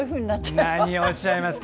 何をおっしゃいますか。